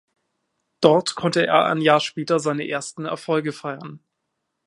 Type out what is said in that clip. Dort konnte er ein Jahr später seine ersten Erfolge feiern.